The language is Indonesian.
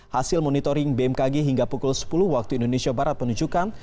hasil monitoring bmkg hingga pukul sepuluh waktu indonesia barat menunjukkan